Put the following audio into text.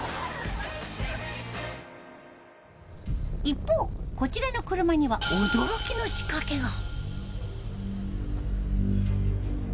一方こちらの車には驚きの仕掛けが。